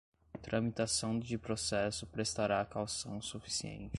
tramitação de processo prestará caução suficiente